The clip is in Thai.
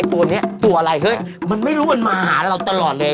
ตัวนี้ตัวอะไรเฮ้ยมันไม่รู้มันมาหาเราตลอดเลย